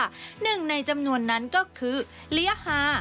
หนึ่งในจำนวนนั้นก็คือเลี้ยฮา